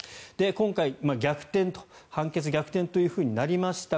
今回、判決逆転となりました